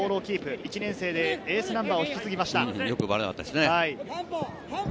１年生でエースナンバーを引き継ぎました。